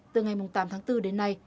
từ ngày tám tháng bốn đến nay